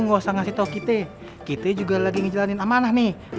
nggak usah ngasih tau kita juga lagi ngejalanin amanah nih